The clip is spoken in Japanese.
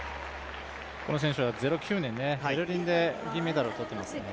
この選手は０９年、ベルリンで銀メダルを取っていますね。